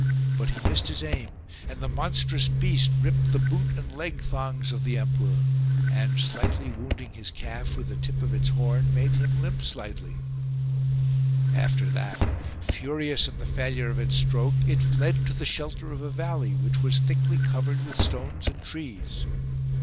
But he missed his aim, and the monstrous beast ripped the boot and leg thongs of the emperor ; and, slightly wounding his calf with the tip of its horn, made him limp slightly : after that, furious at the failure of its stroke, it fled to the shelter of a valley, which was thickly covered with stones and trees.